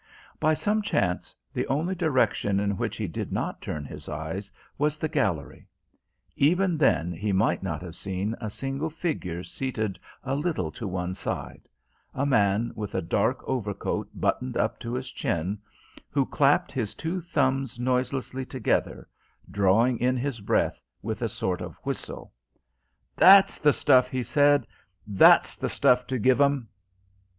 By some chance, the only direction in which he did not turn his eyes was the gallery: even then, he might not have seen a single figure seated a little to one side a man with a dark overcoat buttoned up to his chin, who clapped his two thumbs noiselessly together, drawing in his breath with a sort of whistle. "That's the stuff!" he said. "That's the stuff to give 'em!"